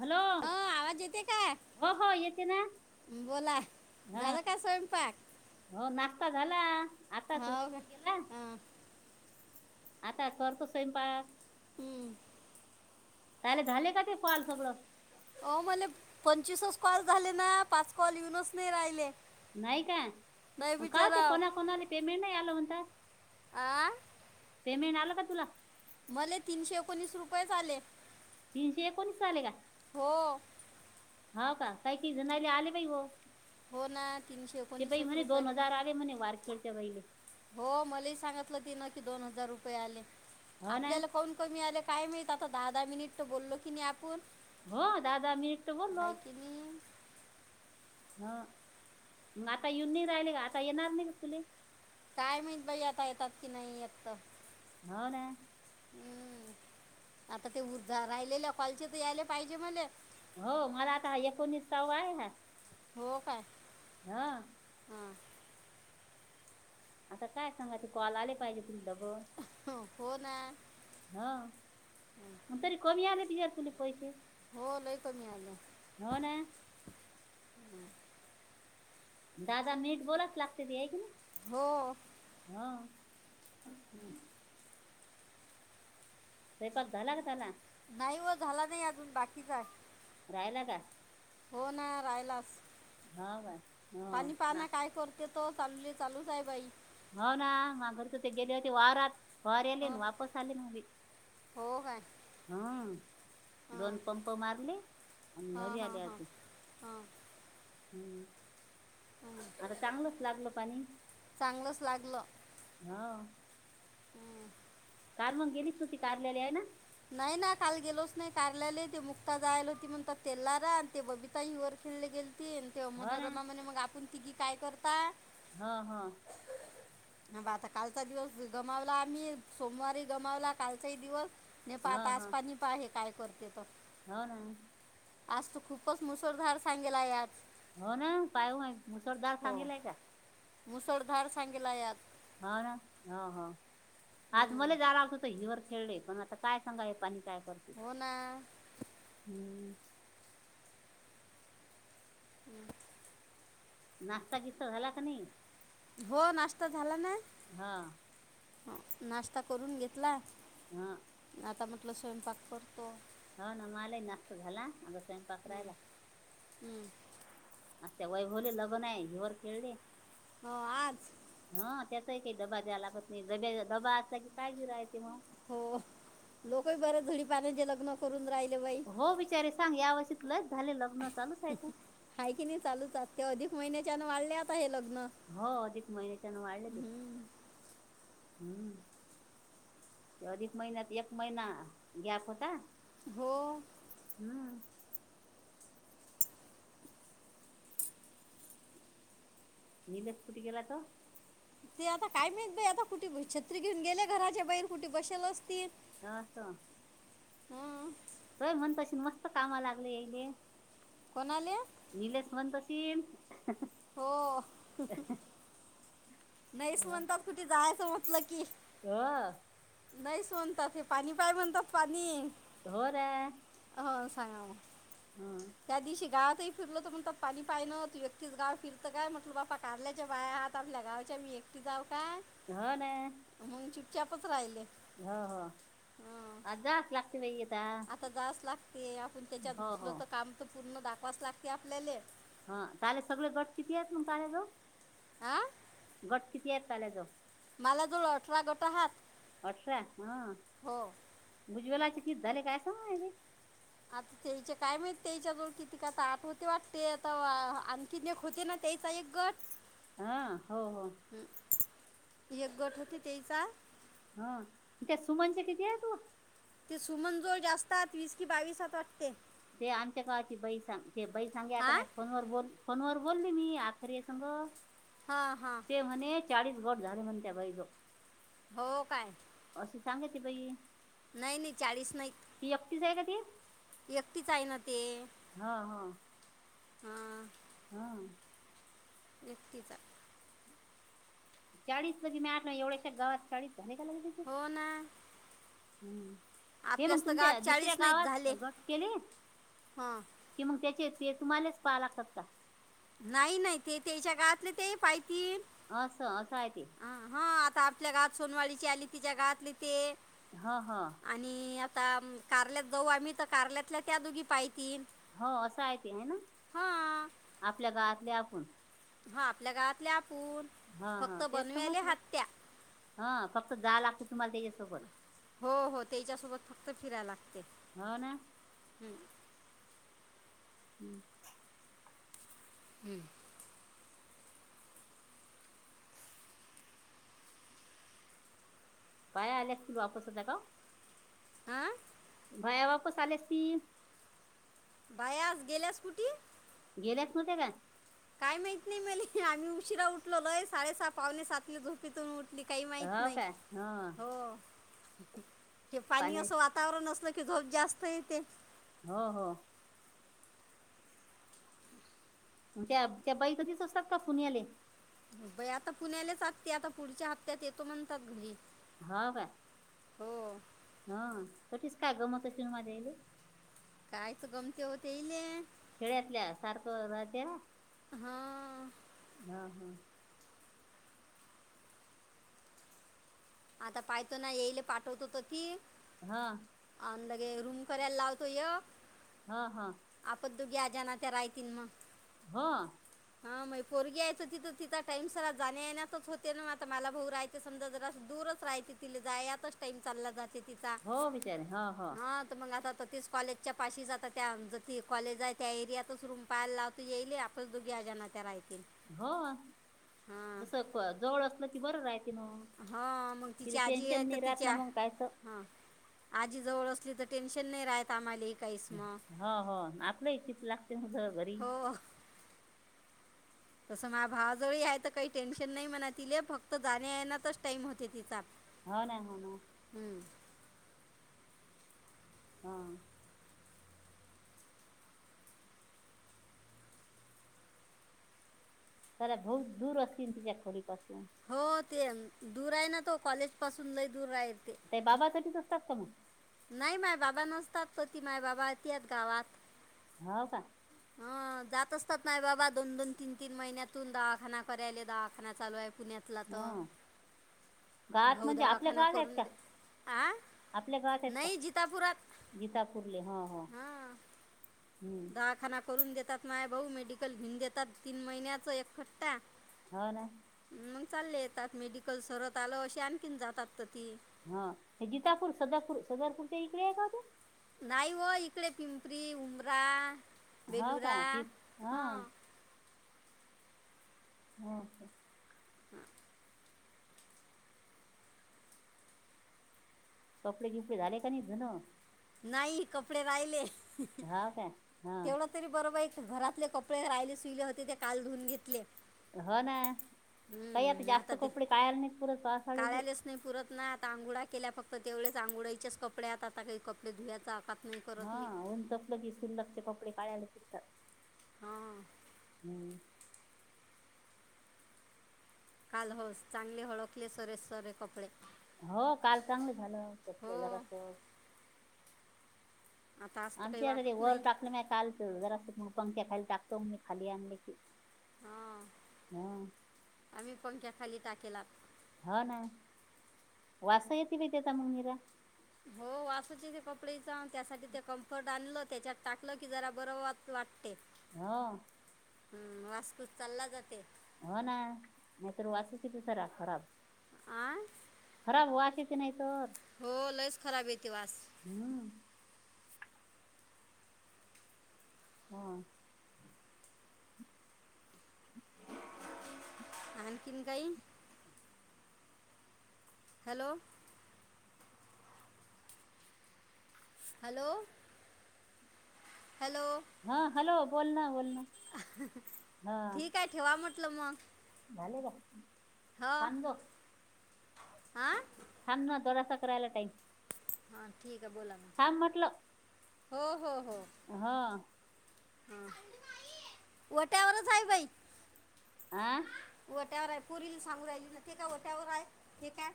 Hello. हो आवाज येते का? हो हो येते ना बोला, हा झालं का स्वयंपाक? हो. नाश्ता झाला आत्ताच हो का वैभव गेला. हा. आता करतो स्वयंपाक. हम्म! त्याला झाले का ते कॉल सगळं. अ म्हले पंचवीसच कॉल झाले ना पाच कॉल येऊनच नाही राहिले. नाही का नाही का होते बिचाराव कोणा कोणाला पेमेंट नाही आलं म्हणता. आ पेमेंट आला का तुला? मले तीनशे एकोणीस रुपयेच आले. तीनशे एकोणीस आले का. हो. हा का काही काही जनायला आले बा हो. हो ना, तीनशे ते बाई एकोणीसच म्हणे रुपये. दोन हजार म्हणे वारखेडच्या बाईले हो मलाही सांगितलं तिन की दोन हजार रुपये आले हो ना आपल्याला काउन कमी आ काय माहित आता दहा दहा मीनट तो बोललो क नाही आपण हो दहा दहा मिनिट आहे बोललोस की नाही ह मग आता येऊन नाही राहिले का आता येणार नाही का तुला काय मात बाई आता येतात की नाही येत हो ना हम्म आता ते उर्धा राहिलेल्या कॉलचे तर यायला पाहिजे मला हो मला आता एकोणीसावा आहे हा हो काय हा हां आता काय सांगायचे कॉल आले पाहिजे तुमला बर हं, हो ना हा मग तरी कमी आले प्रिया तुले पैसे हो लय कमी आलं होव ना दादा नीठ बोलाच लागते ती आहे की ना हो. हा. हम्म! स्वयंपाक झाला का नाही व झाला नाही अजून बाकीचा आहे. रहायला का हो ना राहिलास हो बा हो पाणी ना पाहना काय करत ते तो चालूले चालूच आहे बाई हो ना मा घर त ते गेले होते वारात फार आले हं, वापस चाले म हो काय हम दोन हां पंप मारले आणि घरी हां आले हां हां अस हां हम्म आता चांगलंच लागल पाणी चांगलंच लागलं हा हं. काल मग गेलीच नवती कार्याल आहे ना नाही ना काल गेलोच नाही कारल्याले ते मुक्ता जायला होती म्हण तेलार आणि ते बबी ताई वर खेळले गेलेतील तेहा हो ना मनोरमा म्हणे मग आपण तिघी मगं काय करता हा हा बा आता कालचा दिवस गमावला आम्ही सोमवारीही गमावला कालचाही दिवस नाही प हो आता हो आसपणी प आहे काय करते त हो ना आज तू खूपच मुसळधार सांगेला यात हो ना पाय मुसळदार हो सांगेलाय का मुसळधार सांगला यात हो ना हो हो आज हम्म. मला जाणारतत हिवरर खेळय पण आता काय सांगा हे पाणी काय करत हो ना हम्म हम्म नाशता गिस्ता झाला का नाही हो नाश्ता झाला ना हा ह नाश्ता करून घेतला हा आता म्हटलं स्वयंपाक करतो हा ना मलाही नाश्ता झाला आग स्वयंपाक रारायला हम्म आ वय होले लग्न आहे हिर खेळले हो आज हा त्याचाही काही डब्बा द्या लागत नाहीडब्या डब्बा असचा कि काय जराय ते मग हो लोकही बरे धुळी पाण्याचे लग्न करून राहिले बाई हो बिचारे सांग या वर्षी तुलाच झाले लग्न चालूच आहे का हा की नाही चालूचात ते अधिक महिन्याच्यान वाढले आता हे लग्न हो अधिक महिन्याच्यान वाढले ते हम्म. हम्म ते अधिक महिन्यात एक महिना गॅप होता हो हम्म नलेश कुटे गेला तो ते आता काय माहत आता कुठे छत्री घेऊन गेले घराच्या बाैर कुठे बसेल असतील दास हं. होय मण तशी मस्त कामाला लागले याईले कोणाली निलेश म्हणतो ही ही हो नाहीच म्हणतात कुठे जायचं म्हटलं की ह नाही म्हणतात हे पाणी पाय म्हणतात पाणी तोर हो सांग त्याध शगाात फिरल तर म्हणत पाणी पायनं तू एकतीच गाव फिरतं काय म्हटलं बापा कारल्याच्या बाया आहात आपल्या गावाच्या मी की जाऊ काय ह ना मगून चुटच्यापच राहिले हो हो हं. आज जास् लागते बाई आता आता जाच लागते आपण त्याच्यात हो घुसल हो तर काम तर पूर्ण दाखवाच लागते आपल्याला हा तले सगळे गट किती आहेत मग तल्याजव हा घट किती आहेत तल्याजव मलादोल अर्ठरा गोता हात अठरा हा भुजबलाचे कि झाले काय सांगे आता तेच्या काय माहित त्याच्या जवळ किती का आता आठ होते वाटते आता किनेक होते ना त्याचा एक गट हा हो हो एक गट होते तेचा हा त्या सुमनचे किती आहे तू ते सुमनजवळ जास्तात वीस कि बावीसात वाटते ते आमच्या काळाची बई सां ते बई सांगे आता हा म फोन व बोल फोन वर बोलली मी आखेरीय संग हा हा ते म्हणे चाळीस गट झाले म्हणे त्या बाई जो हो काय अशी सांगते बई नाही नाही चाळीस नाही ती अकीच आहे का ती व्यक्तीच आहे ना ते हा हा हम हा व्यक्तीचा चाळीस प म नाही एवढ्याशा गावात चाळीस झाने काला बे हो ना हम् हे मग आपल्याच तर गावात तुमच्या दुसऱ्या चाळीस नाहीत गावात झाले गट केले हां कि मग त्याचे ते तुम्हालाच पाहालातात का नाही नाही ते त्याच्या गातले ते पाहिती असं असं आहे ते ह हा आता आपल्या गवात सोनवाळीची आली तिच्या गातली ते हा हा आणि आता कारल्यात जाऊ आम्ही तर कारल्यातल्या त्या दोघी पाहतील हो असं आहे ते आहे ना हां आपल्या गावातले आपण हा आपल्या गावातले आपण ह फक्त तेच तर बनवेले म्हटलं हातत्या ह फक्त जा लागते तुम्हाला त्याच्यासोबत हो हो तेच्यासोबत फक्त फिरायला लागते हो ना हम्म हम् हम्म पाय आल्या असतील वापस आता का आह भयाबापस आलेस ती बायस गेले स् कुटी गेलेच न्ह का काय माहित नाही मले आम्ही उशीरा उठलोय साडे सहा पावणे सातनेो थून उठली काही माहित हो नाही काय हो हो क पाणी असं पाण्यास वातावरण असलं की झोप जास्त येते हा हा त्या त्या बाई कधीच असतात का खुणी आले बई आता पुण्यालाच आगते आता पुढच्या हप्त्यात येतो म्हणतात घरी हो काय हो हा तशीच का गमत शर माज्याले कायच गमते होते येईल खेड्यातल्या सारखं राहते हा हा हा आता पाहतो ना येईल पाठवतो त की हा अंदागे रूम करायला लावतोय हा हा आपच दुघी आज ना त्या रायतीन मग हा हा मग पोरगी यायचं तिथं तिथं टाम सर जाण्या येण्यासच होते ना आता मला भाऊ राहायच समजा जरा दूरच राहायचे तिला जातच टाईम चालला जाय तिचा हो बिचारे हो हो हा मग आता तीच कॉलेजच्या पाशी जात त्या ती कॉलेज आहे त्या एरियातच रूम पाहायला लावते येल ख दोघे्याजणणा त्या राहतील हो हां जस जवळ असलं की बरं राहते मग हा मग तिला तिची आजी आहे टेन्शन तर नाही राहत ना तिच्या मग कायचं हा आजी जवळ असली तर टेन्शन नाही राहत आम्हाला काहीस मग हो हो आपलं इ चित लागते मझ घरी हो तसं माझ्या भावाजवळ आहे तर काही टेन्शन नाही म्हणा तिले फक्त जाणे येनाच टाइम होते तिचा हो ना हो ना हम्म हां तरला बहुत दूर असन तिच्या खोली पासून हो ते दूर आहे ना तो कॉलेज पासून लय दूर राहिली ती ते बाबासाठीठीच असतात का मग नाही माय बाबा नसतात त ती माय बाबा तत गावात हा का हं, जात असतात नाही बाबा दोन दोन तीन तीन महिन्यातून दवाखाना करायला दवाखाना चालू आहे पुण्यात पतला तो हा गावात भाऊ म्हणजे आपल्या दवाखाना गावात आहेत करून का आ आपल्या गावात आहेत का नाही जितापुरात गीतापूरले हा हा हां हम्म दवाखाना करून देतात माय भाऊ मेडिकल घेऊन देतात तीन महिन्याचा एकखट्टा हो ना मग चालले येतात मेडिकल सरत आल अशी आणखीन जातात तथी हा ते जितापूर सदपपुर सदरपूरच्या इकडे आहे का ओ ते नाही हो इकडे पिंपरी उमरा हो बेलुरा का ती हा हां सर हम कपडे किपडे झाले का नाही धन नाही कपडे राहिले हो का हा तेवढं तरी बर बाई घरातले कपडे राहिले सुईले होते ते काल धुून घेतले हो ना काही आता हम्म, जास्त ते कपडे कायला नाहीत पुरत पासाळीचे काढायलाच नाही पुरत नाही आता अंघोळ्या केल्या फक्त तेवढेच आंघोळीचेच कपडे आत आता काही कपडे धुवयचा आता हा ऊन तसलं की सिल्लकचे कपडे काढयला फिरतात हां हम्म काल होस चांगली ओळखले सरे सरे कपडे हो काल चांगलं झालं हो त्यातलं जरास आता असं तर काही आमच्याकडे वाटत वर नाही टाकलं म काल जरा अस मग पंख्या खायला टाकतो मी खाली आणले की हां ह आम्ही पंख्या खाली टाकेलात हा ना वास येते बाई त्याचा मंग निरा हो वासच येते कपडेचा त्यासाठी ते कम्फर्ट आणलं त्याच्यात टाकलं की जरा बरं वास वाटते हा हम्म वासपूस चालला जाते हो ना नाहीतर वासच येते सारा खराब आ खराब वास येते नाहीतर हो लयच खराब येते वास हम्म हां अन् आणखीन काही हॅलो, हॅलो, हॅलो, हा हॅलो बोल ना बोल ना अहह, हा ठीक आहे ठेवा म्हटलं मग झाले ग हो थांब गो हां थांब ना जरसाक राहील टाईम हां ठीक आहे बोला मग हा म्हटलं हो हो हो हा ह ओट्यावरच आहे बाई आह ओट्यावर आहे पुरीला सांगू राय तेठी काय ट्यावर आहे ठीकय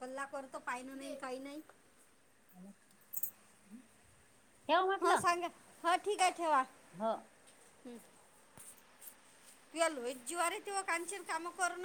पल्ला करतो पाहिन नाही काही नाही ह हा सांगा हा ठीक आहे ठेवा हा. हम्म जारे ते काम करून [inaudible]